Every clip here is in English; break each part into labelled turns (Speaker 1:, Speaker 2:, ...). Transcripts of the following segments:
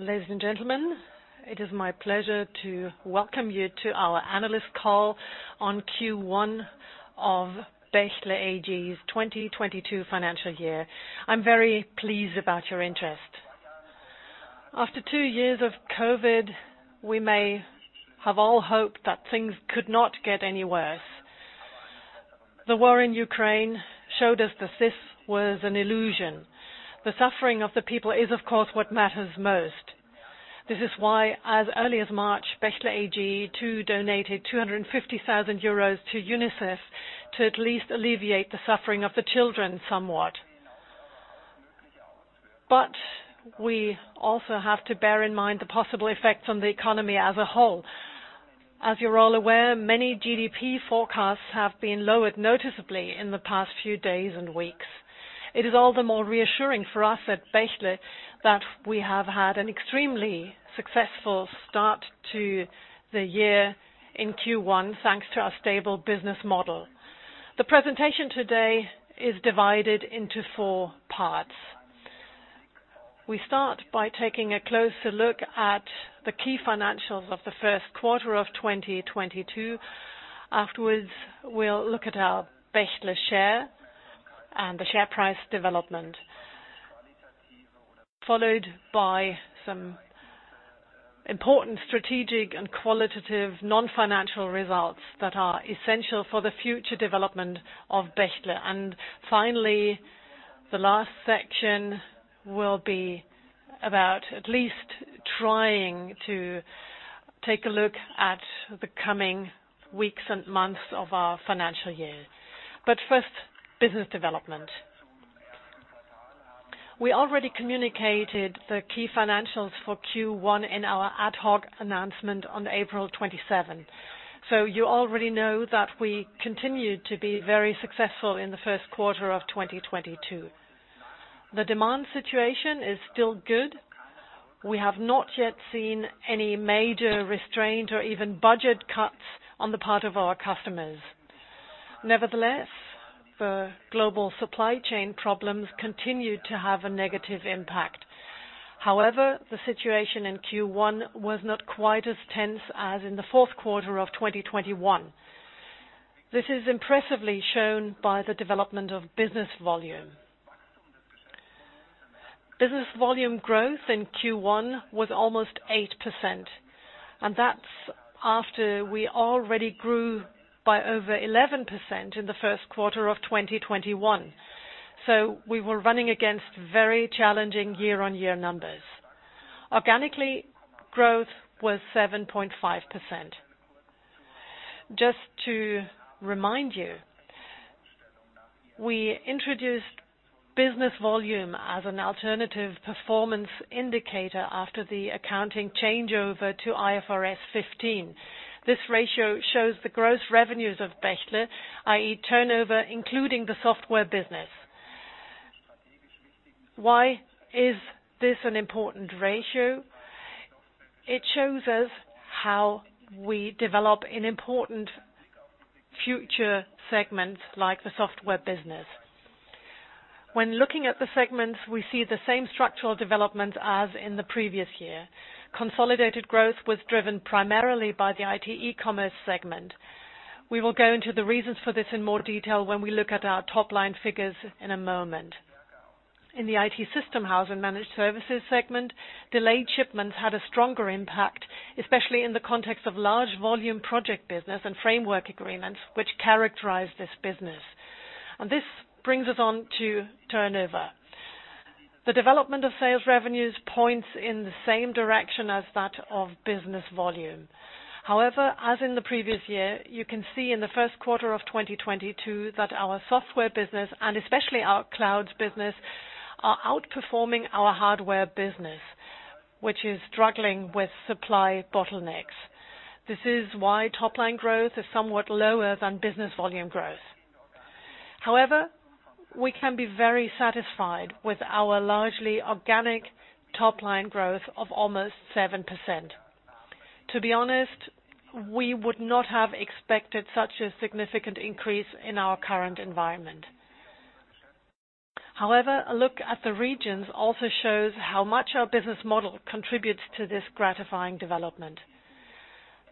Speaker 1: Ladies and gentlemen, it is my pleasure to welcome you to our analyst call on Q1 of Bechtle AG's 2022 financial year. I'm very pleased about your interest. After two years of COVID, we may have all hoped that things could not get any worse. The war in Ukraine showed us that this was an illusion. The suffering of the people is, of course, what matters most. This is why, as early as March, Bechtle AG too donated 250,000 euros to UNICEF to at least alleviate the suffering of the children somewhat. We also have to bear in mind the possible effects on the economy as a whole. As you're all aware, many GDP forecasts have been lowered noticeably in the past few days and weeks. It is all the more reassuring for us at Bechtle that we have had an extremely successful start to the year in Q1, thanks to our stable business model. The presentation today is divided into four parts. We start by taking a closer look at the key financials of the Q1 of 2022. Afterwards, we'll look at our Bechtle share and the share price development. Followed by some important strategic and qualitative non-financial results that are essential for the future development of Bechtle. Finally, the last section will be about at least trying to take a look at the coming weeks and months of our financial year. First, business development. We already communicated the key financials for Q1 in our ad hoc announcement on April 27th, so you already know that we continued to be very successful in the Q1 of 2022. The demand situation is still good. We have not yet seen any major restraint or even budget cuts on the part of our customers. Nevertheless, the global supply chain problems continued to have a negative impact. However, the situation in Q1 was not quite as tense as in the Q4 of 2021. This is impressively shown by the development of business volume. Business volume growth in Q1 was almost 8%, and that's after we already grew by over 11% in the Q1 of 2021. We were running against very challenging year-on-year numbers. Organically, growth was 7.5%. Just to remind you, we introduced business volume as an alternative performance indicator after the accounting changeover to IFRS 15. This ratio shows the gross revenues of Bechtle, i.e. turnover, including the software business. Why is this an important ratio? It shows us how we develop an important future segment like the software business. When looking at the segments, we see the same structural developments as in the previous year. Consolidated growth was driven primarily by the IT E-Commerce segment. We will go into the reasons for this in more detail when we look at our top-line figures in a moment. In the IT System House & Managed Services segment, delayed shipments had a stronger impact, especially in the context of large volume project business and framework agreements which characterize this business. This brings us on to turnover. The development of sales revenues points in the same direction as that of business volume. However, as in the previous year, you can see in the Q1 of 2022 that our software business, and especially our clouds business, are outperforming our hardware business, which is struggling with supply bottlenecks. This is why top-line growth is somewhat lower than business volume growth. However, we can be very satisfied with our largely organic top-line growth of almost 7%. To be honest, we would not have expected such a significant increase in our current environment. However, a look at the regions also shows how much our business model contributes to this gratifying development.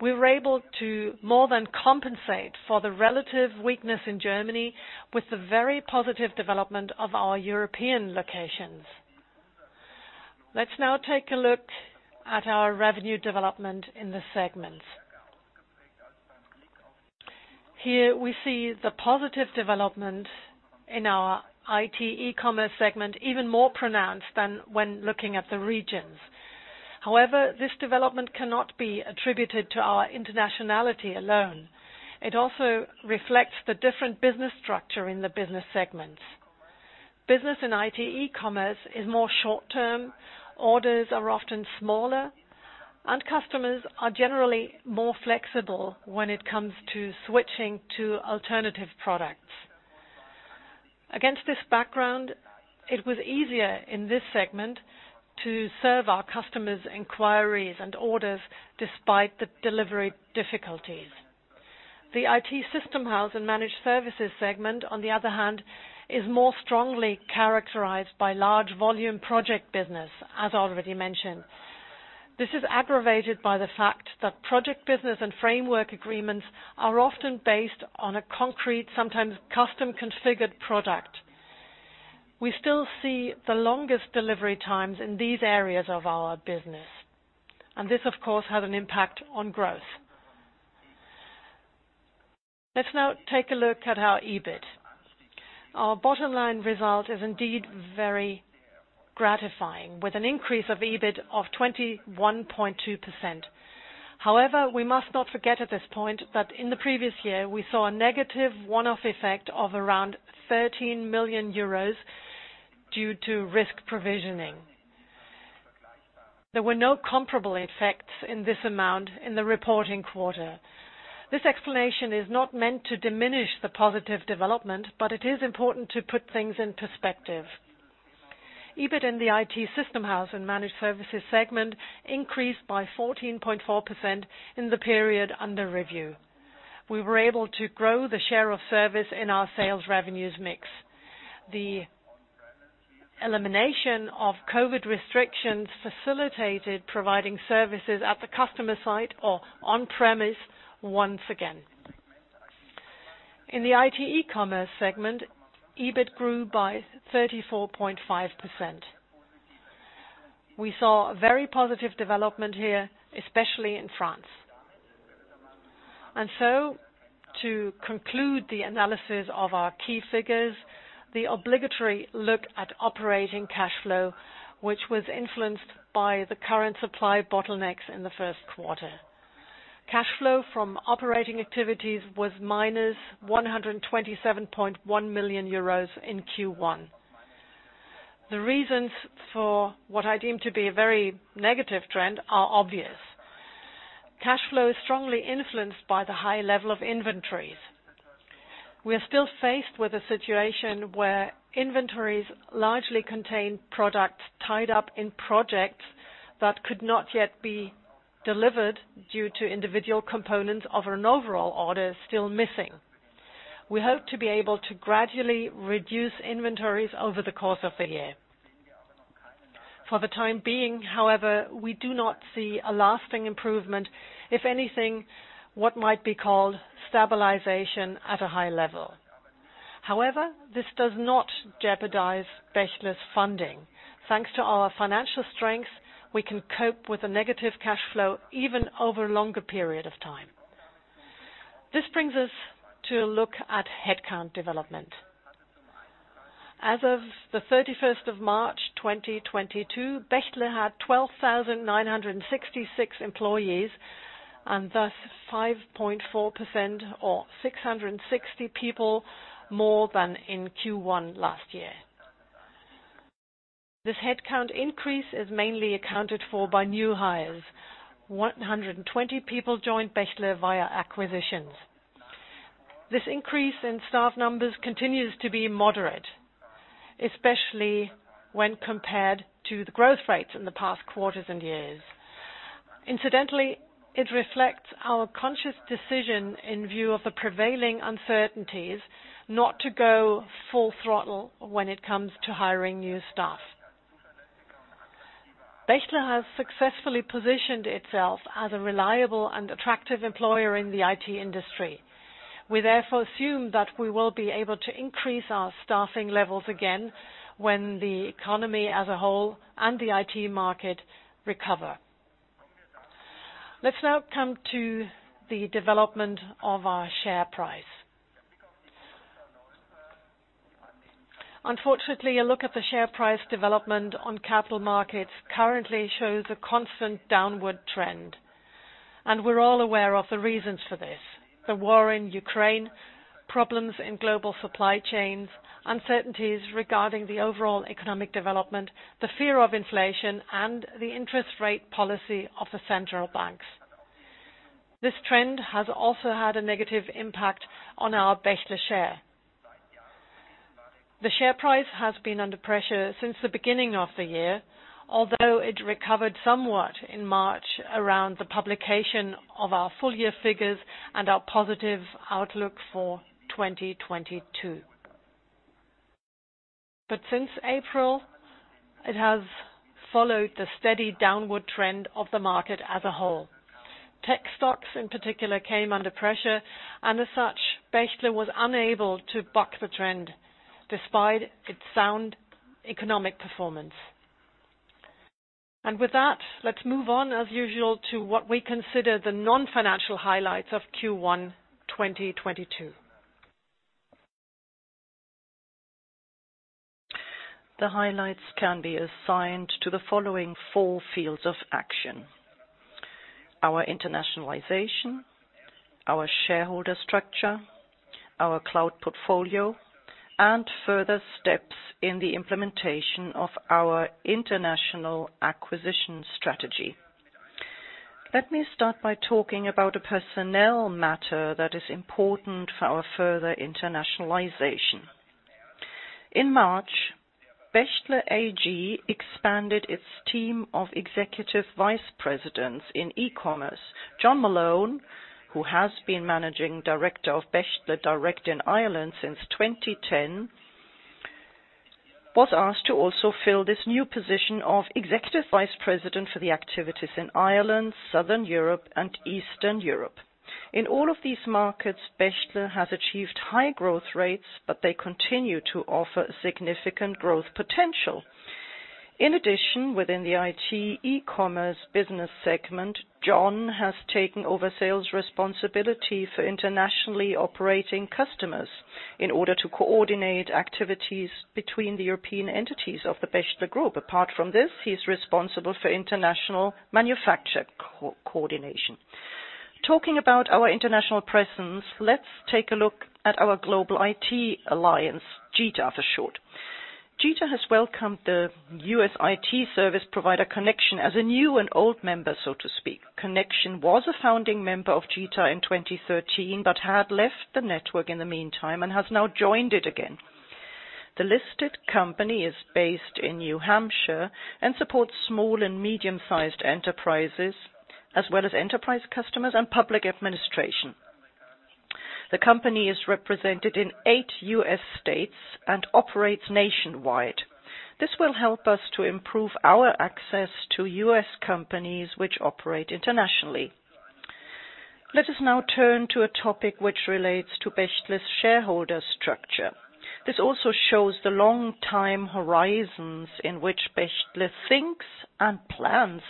Speaker 1: We were able to more than compensate for the relative weakness in Germany with the very positive development of our European locations. Let's now take a look at our revenue development in the segments. Here we see the positive development in our IT E-Commerce segment even more pronounced than when looking at the regions. However, this development cannot be attributed to our internationality alone. It also reflects the different business structure in the business segments. Business in IT E-Commerce is more short-term. Orders are often smaller, and customers are generally more flexible when it comes to switching to alternative products. Against this background, it was easier in this segment to serve our customers' inquiries and orders despite the delivery difficulties. The IT System House & Managed Services segment, on the other hand, is more strongly characterized by large volume project business, as already mentioned. This is aggravated by the fact that project business and framework agreements are often based on a concrete, sometimes custom-configured product. We still see the longest delivery times in these areas of our business, and this, of course, has an impact on growth. Let's now take a look at our EBIT. Our bottom line result is indeed very gratifying, with an increase of EBIT of 21.2%. However, we must not forget at this point that in the previous year, we saw a negative one-off effect of around 13 million euros due to risk provisioning. There were no comparable effects in this amount in the reporting quarter. This explanation is not meant to diminish the positive development, but it is important to put things in perspective. EBIT in the IT System House & Managed Services segment increased by 14.4% in the period under review. We were able to grow the share of service in our sales revenues mix. The elimination of COVID restrictions facilitated providing services at the customer site or on-premise once again. In the IT E-Commerce segment, EBIT grew by 34.5%. We saw a very positive development here, especially in France. To conclude the analysis of our key figures, the obligatory look at operating cash flow, which was influenced by the current supply bottlenecks in the Q1. Cash flow from operating activities was -127.1 million euros in Q1. The reasons for what I deem to be a very negative trend are obvious. Cash flow is strongly influenced by the high level of inventories. We are still faced with a situation where inventories largely contain product tied up in projects that could not yet be delivered due to individual components of an overall order still missing. We hope to be able to gradually reduce inventories over the course of the year. For the time being, however, we do not see a lasting improvement. If anything, what might be called stabilization at a high level. However, this does not jeopardize Bechtle's funding. Thanks to our financial strength, we can cope with the negative cash flow even over a longer period of time. This brings us to look at headcount development. As of March 31st, 2022, Bechtle had 12,966 employees, and thus 5.4% or 660 people more than in Q1 last year. This headcount increase is mainly accounted for by new hires. 120 people joined Bechtle via acquisitions. This increase in staff numbers continues to be moderate, especially when compared to the growth rates in the past quarters and years. Incidentally, it reflects our conscious decision in view of the prevailing uncertainties not to go full throttle when it comes to hiring new staff. Bechtle has successfully positioned itself as a reliable and attractive employer in the IT industry. We therefore assume that we will be able to increase our staffing levels again when the economy as a whole and the IT market recover. Let's now come to the development of our share price. Unfortunately, a look at the share price development on capital markets currently shows a constant downward trend, and we're all aware of the reasons for this, the war in Ukraine, problems in global supply chains, uncertainties regarding the overall economic development, the fear of inflation, and the interest rate policy of the central banks. This trend has also had a negative impact on our Bechtle share. The share price has been under pressure since the beginning of the year, although it recovered somewhat in March around the publication of our full year figures and our positive outlook for 2022. Since April, it has followed the steady downward trend of the market as a whole. Tech stocks in particular came under pressure, and as such, Bechtle was unable to buck the trend despite its sound economic performance. With that, let's move on as usual to what we consider the non-financial highlights of Q1 2022. The highlights can be assigned to the following four fields of action. Our internationalization, our shareholder structure, our cloud portfolio, and further steps in the implementation of our international acquisition strategy. Let me start by talking about a personnel matter that is important for our further internationalization. In March, Bechtle AG expanded its team of executive vice presidents in e-commerce. John Malone, who has been managing director of Bechtle direct in Ireland since 2010, was asked to also fill this new position of executive vice president for the activities in Ireland, Southern Europe, and Eastern Europe. In all of these markets, Bechtle has achieved high growth rates, but they continue to offer significant growth potential. In addition, within the IT E-Commerce business segment, John has taken over sales responsibility for internationally operating customers in order to coordinate activities between the European entities of the Bechtle Group. Apart from this, he is responsible for international manufacturer coordination. Talking about our international presence, let's take a look at our Global IT Alliance, GITA for short. GITA has welcomed the US IT service provider Connection as a new and old member, so to speak. Connection was a founding member of GITA in 2013, but had left the network in the meantime and has now joined it again. The listed company is based in New Hampshire and supports small and medium-sized enterprises, as well as enterprise customers and public administration. The company is represented in eight U.S. states and operates nationwide. This will help us to improve our access to US companies which operate internationally. Let us now turn to a topic which relates to Bechtle's shareholder structure. This also shows the long time horizons in which Bechtle thinks and plans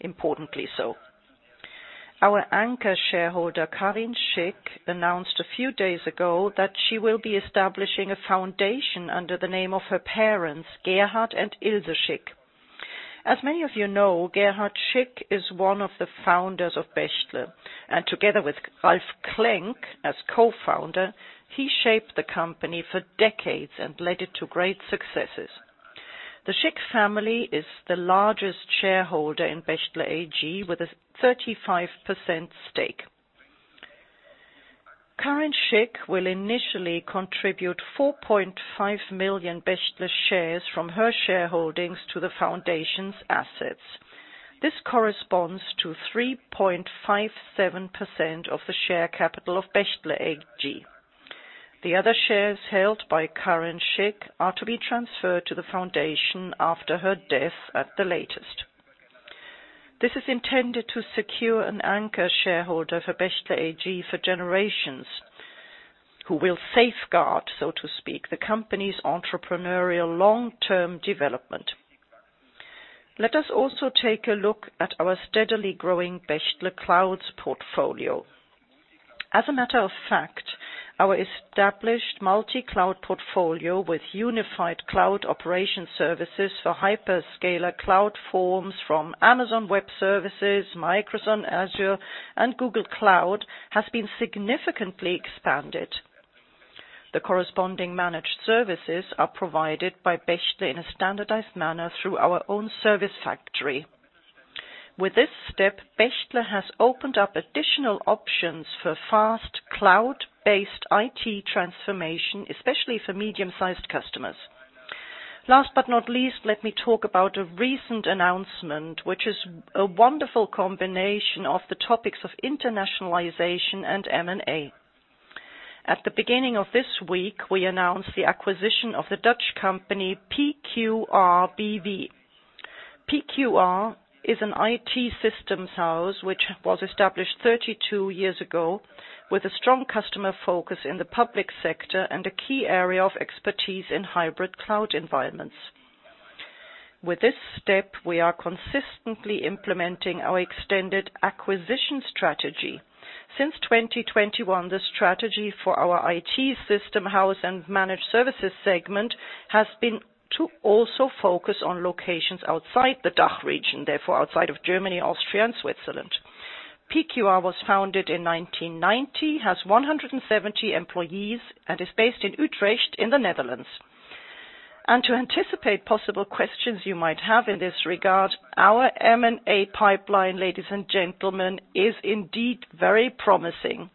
Speaker 1: importantly so. Our anchor shareholder, Karin Schick, announced a few days ago that she will be establishing a foundation under the name of her parents, Gerhard and Ilse Schick. As many of you know, Gerhard Schick is one of the founders of Bechtle, and together with Ralf Klenk as co-founder, he shaped the company for decades and led it to great successes. The Schick family is the largest shareholder in Bechtle AG with a 35% stake. Karin Schick will initially contribute 4.5 million Bechtle shares from her shareholdings to the foundation's assets. This corresponds to 3.57% of the share capital of Bechtle AG. The other shares held by Karin Schick are to be transferred to the foundation after her death at the latest. This is intended to secure an anchor shareholder for Bechtle AG for generations who will safeguard, so to speak, the company's entrepreneurial long-term development. Let us also take a look at our steadily growing Bechtle Clouds portfolio. As a matter of fact, our established multi-cloud portfolio with unified cloud operation services for hyperscaler cloud platforms from Amazon Web Services, Microsoft Azure, and Google Cloud has been significantly expanded. The corresponding managed services are provided by Bechtle in a standardized manner through our own service factory. With this step, Bechtle has opened up additional options for fast cloud-based IT transformation, especially for medium-sized customers. Last but not least, let me talk about a recent announcement, which is a wonderful combination of the topics of internationalization and M&A. At the beginning of this week, we announced the acquisition of the Dutch company PQR BV. PQR is an IT systems house which was established 32 years ago with a strong customer focus in the public sector and a key area of expertise in hybrid cloud environments. With this step, we are consistently implementing our extended acquisition strategy. Since 2021, the strategy for our IT System House & Managed Services segment has been to also focus on locations outside the DACH region, therefore outside of Germany, Austria, and Switzerland. PQR was founded in 1990, has 170 employees, and is based in Utrecht in the Netherlands. To anticipate possible questions you might have in this regard, our M&A pipeline, ladies and gentlemen, is indeed very promising.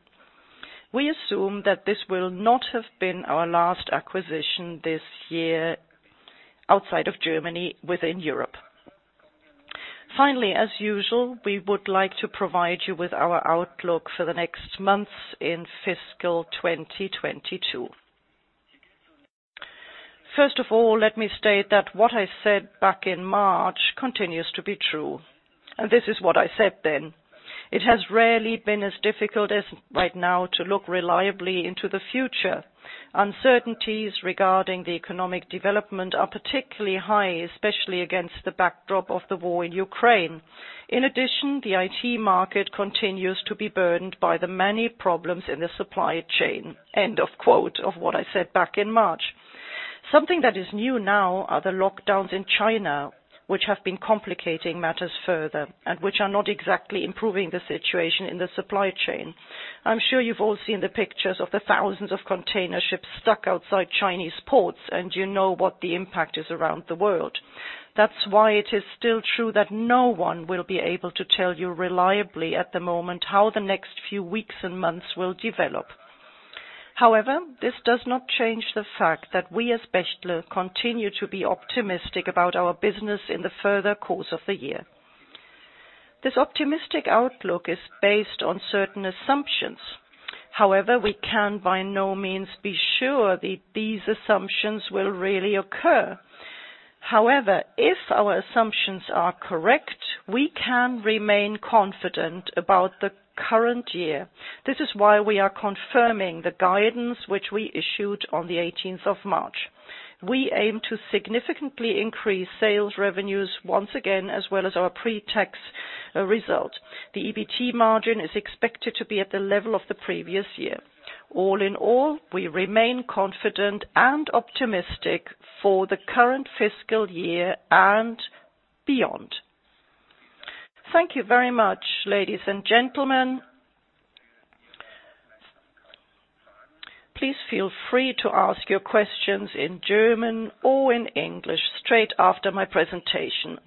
Speaker 1: We assume that this will not have been our last acquisition this year outside of Germany, within Europe. Finally, as usual, we would like to provide you with our outlook for the next months in fiscal 2022. First of all, let me state that what I said back in March continues to be true, and this is what I said then. "It has rarely been as difficult as right now to look reliably into the future. Uncertainties regarding the economic development are particularly high, especially against the backdrop of the war in Ukraine. In addition, the IT market continues to be burdened by the many problems in the supply chain. End of quote of what I said back in March. Something that is new now are the lockdowns in China, which have been complicating matters further and which are not exactly improving the situation in the supply chain. I'm sure you've all seen the pictures of the thousands of container ships stuck outside Chinese ports, and you know what the impact is around the world. That's why it is still true that no one will be able to tell you reliably at the moment how the next few weeks and months will develop. However, this does not change the fact that we as Bechtle continue to be optimistic about our business in the further course of the year. This optimistic outlook is based on certain assumptions. However, we can by no means be sure that these assumptions will really occur. However, if our assumptions are correct, we can remain confident about the current year. This is why we are confirming the guidance which we issued on the 18th of March. We aim to significantly increase sales revenues once again, as well as our pre-tax result. The EBT margin is expected to be at the level of the previous year. All in all, we remain confident and optimistic for the current fiscal year and beyond. Thank you very much, ladies and gentlemen. Please feel free to ask your questions in German or in English straight after my presentation.